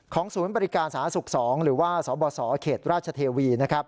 ศูนย์บริการสาธารณสุข๒หรือว่าสบสเขตราชเทวี